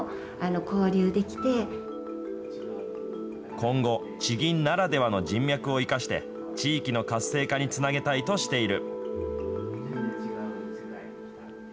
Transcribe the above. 今後、地銀ならではの人脈を生かして、地域の活性化につなげたいとしている。